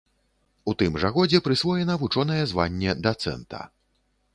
У тым жа годзе прысвоена вучонае званне дацэнта.